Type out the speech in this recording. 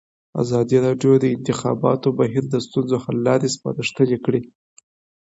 ازادي راډیو د د انتخاباتو بهیر د ستونزو حل لارې سپارښتنې کړي.